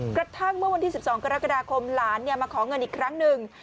กระทั่งเมื่อวันที่๑๒กรกฎาคมหลานมาขอเงินอีกครั้งหนึ่ง